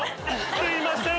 すいません